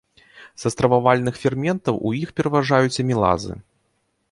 Са стрававальных ферментаў у іх пераважаюць амілазы.